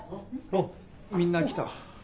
おっみんな来た。